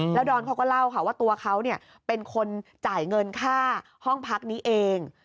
แล้วดอนเขาก็เล่าค่ะว่าตัวเขาเป็นคนจ่ายเงินค่าห้องพักนี้เอง